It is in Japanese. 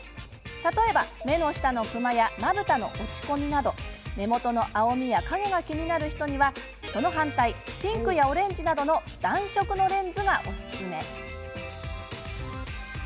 例えば、目の下のくまやまぶたの落ち込みなど目元の青みや影が気になる人にはその反対ピンクやオレンジなどの暖色のレンズがおすすめ。